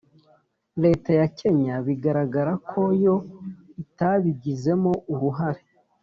Leta ya Kenya bigaragara ko yo itabigizemo uruhare